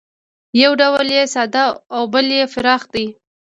یو ډول یې ساده او بل یې پراخ دی